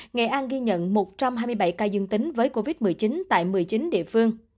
nghệ an ghi nhận một trăm hai mươi bảy ca dương tính với covid một mươi chín tại một mươi chín địa phương